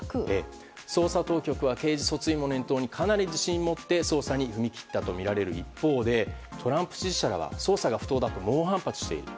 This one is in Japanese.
捜査当局は刑事訴追を念頭にかなり自信を持って捜査に踏み切ったとおっしゃっているんですがトランプ支持者らは捜査が不当だと猛反発している。